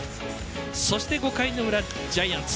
そして、５回の裏、ジャイアンツ。